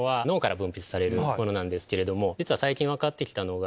実は最近分かってきたのが。